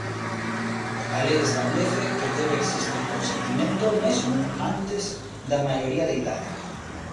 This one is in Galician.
A lei establece que debe existir consentimento mesmo antes da maioría de idade.